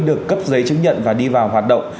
được cấp giấy chứng nhận và đi vào hoạt động